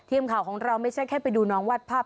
ทีมข่าวของเราไม่ใช่แค่ไปดูน้องวาดภาพ